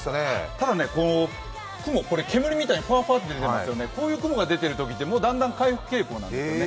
ただ雲これ煙みたいにふぁーふぁーと出ていますよね、こういう雲が出てるときってもうだんだん回復傾向なんですよね。